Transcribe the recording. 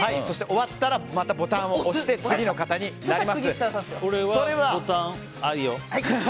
終わったらまたボタンを押して次の方になります。